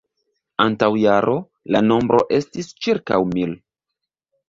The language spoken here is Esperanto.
Antaŭ jaro, la nombro estis ĉirkaŭ mil.